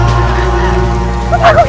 putraku kian santang